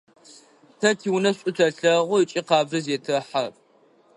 Тэ тиунэ шӏу тэлъэгъу ыкӏи къабзэу зетэхьэ.